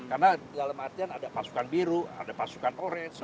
karena dalam artian ada pasukan biru ada pasukan orange